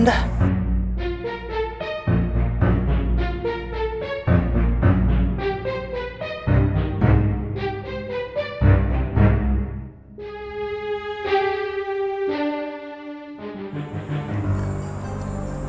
nggak ada masalah